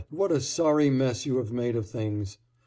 what a sorry mess you have made of things.